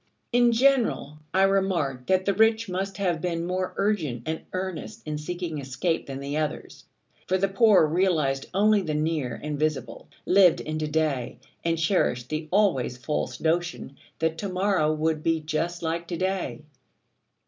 In general, I remarked that the rich must have been more urgent and earnest in seeking escape than the others: for the poor realised only the near and visible, lived in to day, and cherished the always false notion that to morrow would be just like to day.